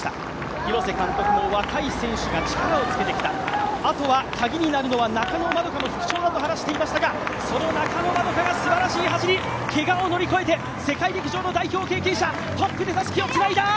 廣瀬監督も、若い選手が力をつけてきた、あとは鍵になるのは中野円花の復調だと話していましたがその中野円花がすばらしい走りけがを乗り越えて、世界陸上の代表経験者、トップでたすきをつないだ。